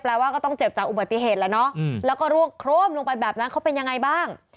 ว่าก็ต้องเจ็บจากอุบัติเหตุแล้วเนาะแล้วก็ร่วงโครมลงไปแบบนั้นเขาเป็นยังไงบ้าง